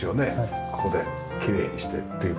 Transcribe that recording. ここできれいにしてっていう事。